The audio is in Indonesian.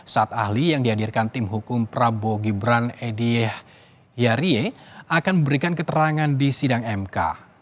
saat ahli yang dihadirkan tim hukum prabowo gibran edy yarie akan memberikan keterangan di sidang mk